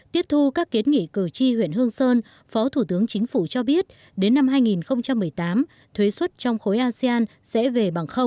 tiếp thu các kiến nghị cử tri huyện hương sơn phó thủ tướng chính phủ cho biết đến năm hai nghìn một mươi tám thuế xuất trong khối asean sẽ về bằng